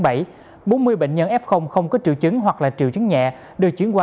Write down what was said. bốn mươi bệnh nhân f không có triệu chứng hoặc là triệu chứng nhẹ được chuyển qua